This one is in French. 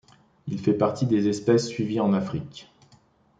Il fait partie des espèces suivies en Afrique.